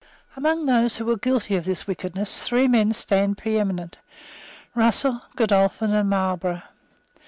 Among those who were guilty of this wickedness three men stand preeminent, Russell, Godolphin and Marlborough.